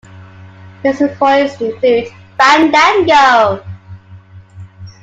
His recordings include Fandango!